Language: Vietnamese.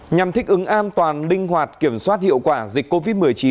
nhằm thích ứng an toàn linh hoạt kiểm soát hiệu quả dịch covid một mươi chín